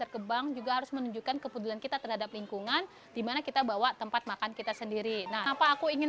kebudayaan kita terhadap lingkungan dimana kita bawa tempat makan kita sendiri nah apa aku ingin